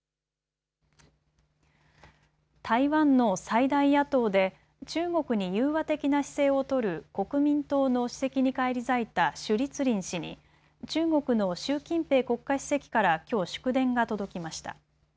台湾の最大野党で中国に融和的な姿勢を取る国民党の主席に返り咲いた朱立倫氏に中国の習近平国家主席からきょう祝電が届きました。